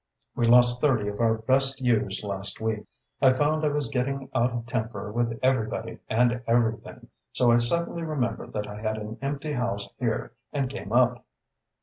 We lost thirty of our best ewes last week. I found I was getting out of temper with everybody and everything, so I suddenly remembered that I had an empty house here and came up."